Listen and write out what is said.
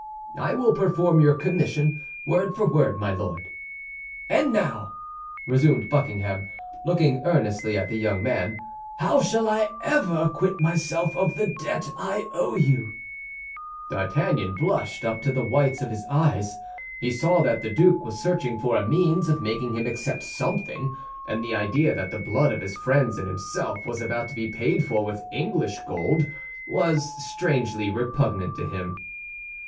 "I will perform your commission, word for word, my Lord." "And now," resumed Buckingham, looking earnestly at the young man, "how shall I ever acquit myself of the debt I owe you?" D'Artagnan blushed up to the whites of his eyes. He saw that the duke was searching for a means of making him accept something and the idea that the blood of his friends and himself was about to be paid for with English gold was strangely repugnant to him.